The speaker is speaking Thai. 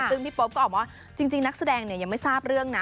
ซึ่งพี่โป๊ปก็ออกมาจริงนักแสดงยังไม่ทราบเรื่องนะ